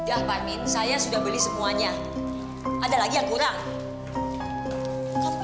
sudah panen saya sudah beli semuanya ada lagi yang kurang